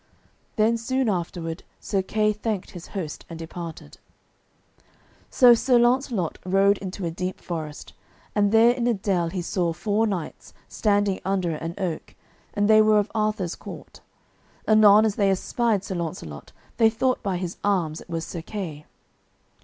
Then soon afterward Sir Kay thanked his host and departed. So Sir Launcelot rode into a deep forest, and there in a dell he saw four knights standing under an oak, and they were of Arthur's court. Anon as they espied Sir Launcelot they thought by his arms it was Sir Kay.